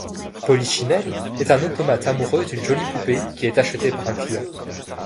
Polichinelle est un automate amoureux d'une jolie poupée qui est achetée par un client.